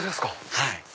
はい。